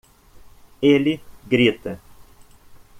Ele grita